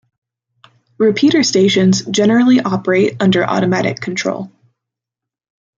Repeater stations generally operate under automatic control.